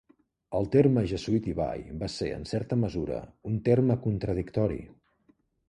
El terme "Jesuit Ivy" va ser, en certa mesura, un terme contradictori.